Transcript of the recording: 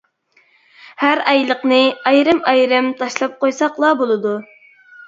ھەر ئايلىقنى ئايرىم-ئايرىم تاشلاپ قويساقلا بولىدۇ.